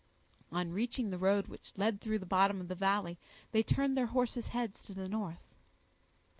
On reaching the road which led through the bottom of the valley, they turned their horses' heads to the north.